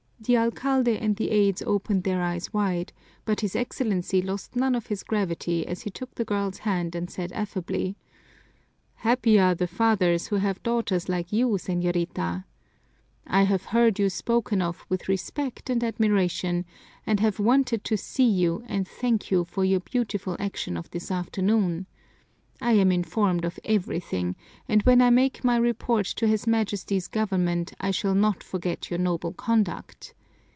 The alcalde and the aides opened their eyes wide, but his Excellency lost none of his gravity as he took the girl's hand and said affably, "Happy are the fathers who have daughters like you, señorita! I have heard you spoken of with respect and admiration and have wanted to see you and thank you for your beautiful action of this afternoon. I am informed of everything and when I make my report to his Majesty's government I shall not forget your noble conduct.